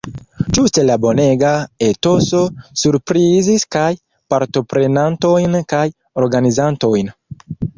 Ĝuste la bonega etoso surprizis kaj partoprenantojn kaj organizantojn.